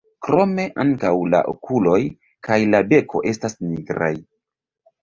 Krome ankaŭ la okuloj kaj la beko estas nigraj.